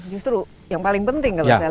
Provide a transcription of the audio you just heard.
justru yang paling penting kalau saya lihat